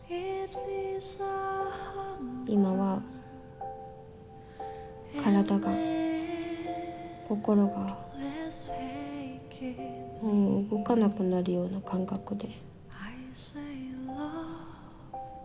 今は体が心がもう動かなくなるような感覚で。